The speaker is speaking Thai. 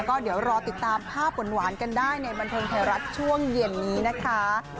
ก็เดี๋ยวรอติดตามภาพหวานกันได้ในบันเทิงไทยรัฐช่วงเย็นนี้นะคะ